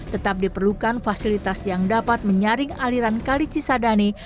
tetap diperlukan fasilitas yang dapat menyaring aliran kali cisadane